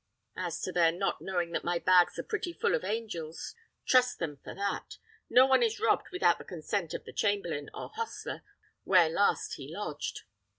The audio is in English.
As to their not knowing that my bags are pretty full of angels, trust them for that. No one is robbed without the consent of the chamberlain or hostler where last he lodged.